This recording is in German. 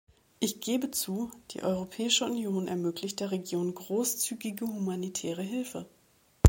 Ich gebe zu, die Europäische Union ermöglicht der Region großzügige humanitäre Hilfe.